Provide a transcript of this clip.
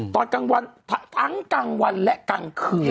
ตอนกลางวันทั้งกลางวันและกลางคืน